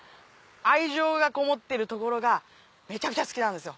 愛情がこもってるところがめちゃくちゃ好きなんですよ。